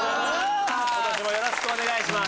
今年もよろしくお願いします